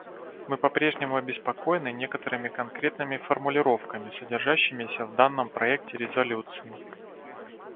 Мы попрежнему обеспокоены некоторыми конкретными формулировками, содержащимися в данном проекте резолюции.